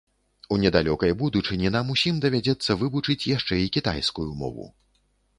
У недалёкай будучыні нам усім давядзецца вывучыць яшчэ і кітайскую мову.